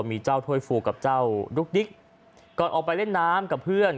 มีเจ้าถ้วยฟูกับเจ้าดุ๊กดิ๊กก่อนออกไปเล่นน้ำกับเพื่อน